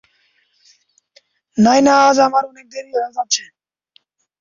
নায়না, আজ আমার অনেক দেরি হয়ে যাচ্ছে।